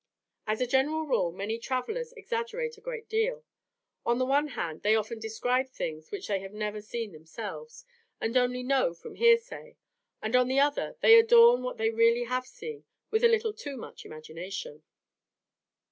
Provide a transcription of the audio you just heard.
As a general rule, many travellers exaggerate a great deal. On the one hand, they often describe things which they have never seen themselves, and only know from hearsay; and, on the other, they adorn what they really have seen with a little too much imagination.